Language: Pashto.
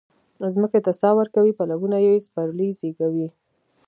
مځکې ته ساه ورکوي پلونه یي سپرلي زیږوي